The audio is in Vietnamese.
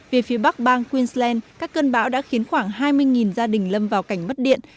về phía bắc bang queensland các cơn bão đã khiến khoảng hai mươi gia đình lâm vào cảnh mất điện